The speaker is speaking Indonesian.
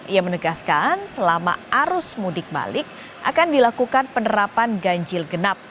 ia menegaskan selama arus mudik balik akan dilakukan penerapan ganjil genap